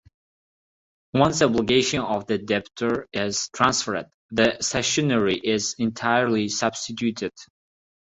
Once the obligation of the debtor is transferred, the cessionary is entirely substituted.